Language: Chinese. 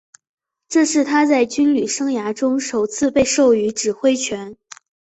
这是他在军旅生涯中首次被授予指挥权。